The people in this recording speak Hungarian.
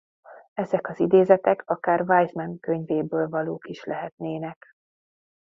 Ezek az idézetek akár Wiseman könyvéből valók is lehetnének.